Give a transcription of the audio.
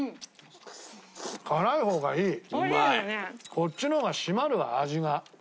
こっちの方が締まるわ味が。